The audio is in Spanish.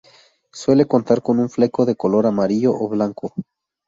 Suele contar con un fleco de color amarillo o blanco.